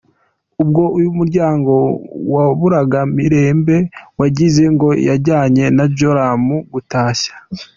Ubwo uyu muryango waburaga Mirembe wagize ngo yajyanye na Joram gutashya.